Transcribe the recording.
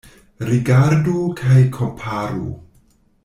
Rigardu kaj komparu.